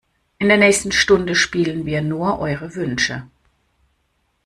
In der nächsten Stunde spielen wir nur eure Wünsche.